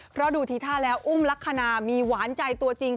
เพราะดูทีท่าแล้วอุ้มลักษณะมีหวานใจตัวจริง